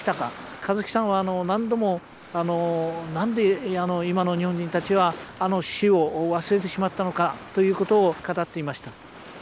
香月さんは何度も何で今の日本人たちはあの死を忘れてしまったのかということを語っていました。